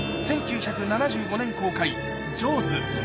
１９７５年公開、ジョーズ。